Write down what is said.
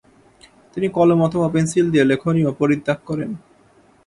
তিনি কলম অথবা পেন্সিল দিয়ে লেখনিও পরিত্যাগ করেন।